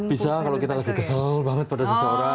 bisa kalau kita lagi kesel banget pada seseorang